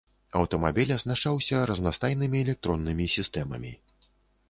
Аўтамабіль аснашчаўся разнастайнымі электроннымі сістэмамі.